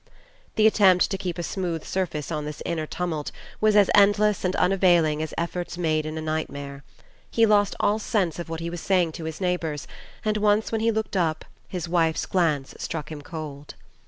The attempt to keep a smooth surface on this inner tumult was as endless and unavailing as efforts made in a nightmare. He lost all sense of what he was saying to his neighbors and once when he looked up his wife's glance struck him cold.